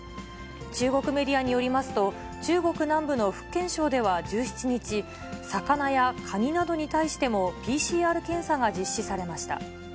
中国メディアによりますと、中国南部の福建省では１７日、魚やカニなどに対しても、ＰＣＲ検査が実施されました。